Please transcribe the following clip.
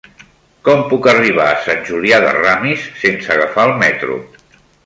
Com puc arribar a Sant Julià de Ramis sense agafar el metro?